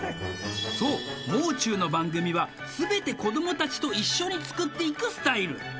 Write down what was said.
そうもう中の番組は全て子どもたちと一緒に作っていくスタイル